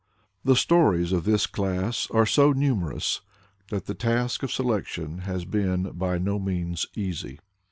The stories of this class are so numerous, that the task of selection has been by no means easy.